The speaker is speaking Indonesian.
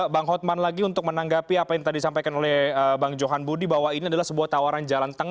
sangat baik menanggapi apa yang tadi disampaikan oleh bang johan budi bahwa ini adalah sebuah tawaran jalan tengah